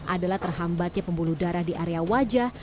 adalah terhambatnya pembuluh darah di area wajah